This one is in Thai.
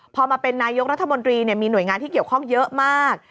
พอมาเป็นนายกรัฐมนตรีมีหน่วยงานที่เกี่ยวข้องเยอะมาก